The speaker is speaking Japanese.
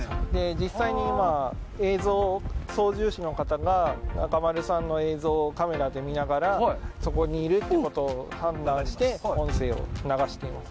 実際に今、操縦士の方が中丸さんの映像をカメラで見ながら、そこにいるということを判断して、音声を流しています。